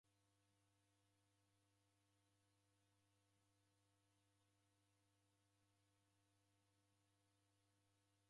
Garama redamba rejoka kufuma isanga jirughilo kwa w'undu ghwa korona.